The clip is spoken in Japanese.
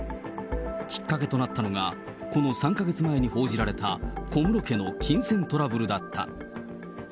きっかけとなったのが、この３か月前に報じられた小室家の金銭トラブルだった。